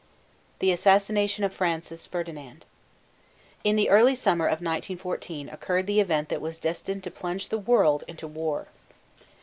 THE ASSASSINATION OF FRANCIS FERDINAND. In the early summer of 1914 occurred the event that was destined to plunge the world into war.